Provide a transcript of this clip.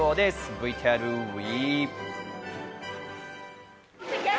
ＶＴＲＷＥ！